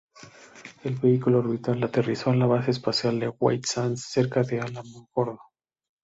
El vehículo orbital aterrizó en la Base Espacial de White Sands, cerca de Alamogordo.